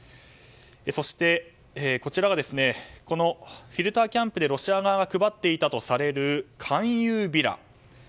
そして、こちらがフィルターキャンプでロシア側が配っていたとされる勧誘ビラ。